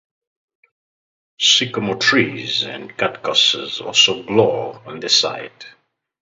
Sycamore trees and cactuses also grow on the site.